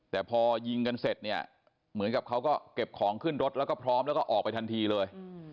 แต่พอยิงกันเสร็จเนี่ยเหมือนกับเขาก็เก็บของขึ้นรถแล้วก็พร้อมแล้วก็ออกไปทันทีเลย